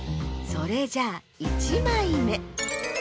それじゃあ１まいめ。